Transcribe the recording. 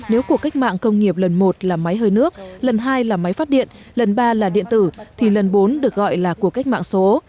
nếu cuộc cách mạng công nghiệp lần một là máy hơi nước lần hai là máy phát điện lần ba là điện tử thì lần bốn được gọi là cuộc cách mạng số